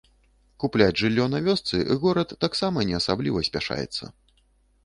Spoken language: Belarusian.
Купляць жыллё на вёсцы горад таксама не асабліва спяшаецца.